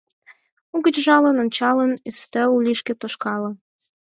Угыч жалын ончалын, ӱстел лишке тошкале.